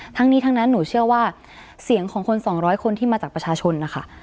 ทั้งนี้ทั้งนั้นหนูเชื่อว่าเสียงของคน๒๐๐คนที่มาจากประชาชนนะคะ